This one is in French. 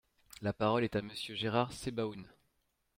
La parole est à Monsieur Gérard Sebaoun.